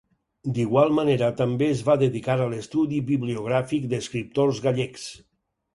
D'igual manera també es va dedicar a l'estudi bibliogràfic d'escriptors gallecs.